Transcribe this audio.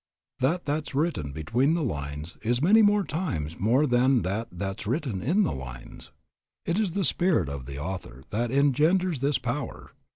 That that's written between the lines is many times more than that that's written in the lines. It is the spirit of the author that engenders this power.